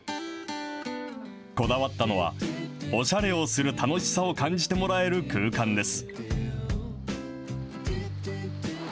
こだわったのは、おしゃれをする楽しさを感じてもらえる空間です。